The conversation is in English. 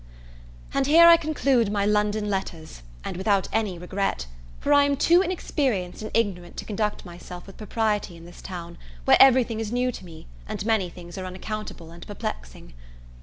And here I conclude my London letters, and without any regret; for I am too inexperienced and ignorant to conduct myself with propriety in this town, where everything is new to me, and many things are unaccountable and perplexing.